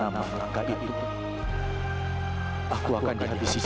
buaiin berturuan ya guys